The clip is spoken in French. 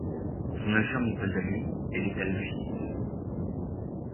Son injure n’est pas à lui, elle est à la justice.